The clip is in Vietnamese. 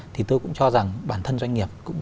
thì tôi cũng cho rằng bản thân doanh nghiệp